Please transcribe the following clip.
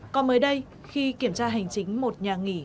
còn mới đây khi kiểm tra hành chính một nhà nghỉ